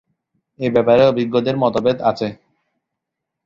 এ ব্যাপারে অভিজ্ঞ দের মধ্যে মত ভেদ আছে।